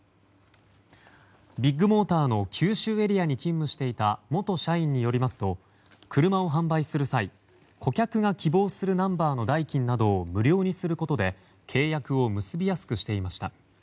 ビッグモーターの九州エリアに勤務していた元社員によりますと車を販売する際、顧客が希望するナンバーの代金などを無料にすることで契約を結びやすくしていました。